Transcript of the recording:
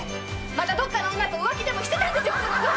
またどっかの女と浮気でもしてたんでしょ！？